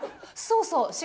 そうそう！